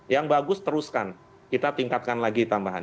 yang bagus teruskan kita tingkatkan lagi tambahan